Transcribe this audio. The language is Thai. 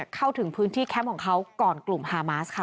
เข้าถึงพื้นที่แคมป์ของเขาก่อนกลุ่มฮามาสค่ะ